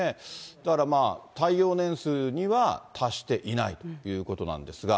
だからまあ、耐用年数には達していないということなんですが。